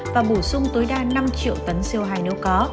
và bổ sung tối đa năm triệu tấn co hai nếu có